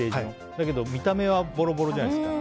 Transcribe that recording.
だけど見た目はボロボロじゃないですか。